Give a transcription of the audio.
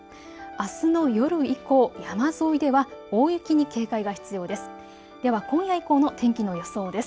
あすの夜以降、山沿いでは大雪に警戒が必要です。